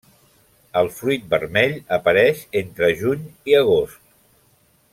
El fruit vermell apareix entre juny i agost.